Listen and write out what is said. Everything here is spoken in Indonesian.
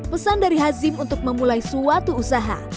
pesan dari hazim untuk memulai suatu usaha